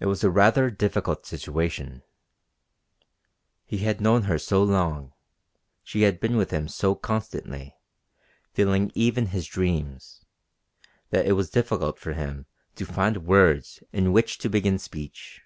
It was a rather difficult situation. He had known her so long, she had been with him so constantly, filling even his dreams, that it was difficult for him to find words in which to begin speech.